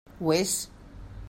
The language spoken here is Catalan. Ho és.